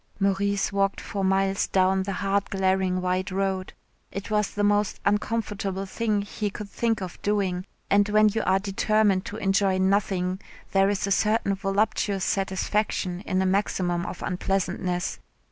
Maurice walked for miles down the hard glaring white road. It was the most uncomfortable thing he could think of doing, and when you are determined to enjoy nothing there is a certain voluptuous satisfaction in a maximum of unpleasantness.